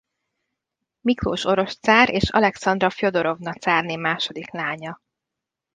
Miklós orosz cár és Alekszandra Fjodorovna cárné második lánya.